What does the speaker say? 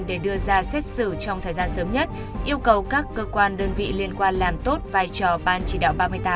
để đưa ra xét xử trong thời gian sớm nhất yêu cầu các cơ quan đơn vị liên quan làm tốt vai trò ban chỉ đạo ba mươi tám